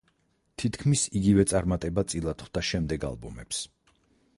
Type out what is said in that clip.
თითქმის იგივე წარმატება წილად ხვდა შემდეგ ალბომებს.